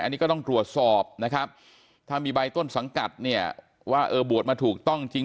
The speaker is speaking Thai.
อันนี้ก็ต้องตรวจสอบนะครับถ้ามีใบต้นสังกัดเนี่ยว่าเออบวชมาถูกต้องจริง